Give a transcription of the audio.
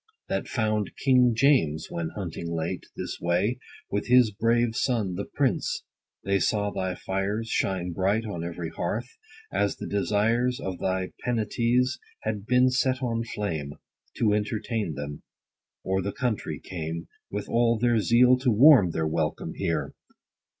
That found King JAMES, when hunting late, this way, With his brave son, the prince ; they saw thy fires Shine bright on every hearth, as the desires Of thy Penates had been set on flame, To entertain them ; or the country came, 80 With all their zeal, to warm their welcome here.